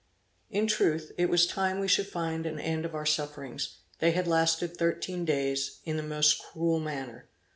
In truth, it was time we should find an end of our sufferings; they had lasted thirteen days, in the most cruel manner.